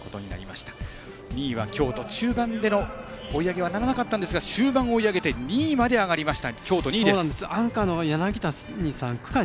２位は京都中盤での追い上げとはならなかったんですが終盤追い上げて２位まで上がりました。